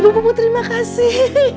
ibu bu put terima kasih